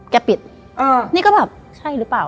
ปิดนี่ก็แบบใช่หรือเปล่า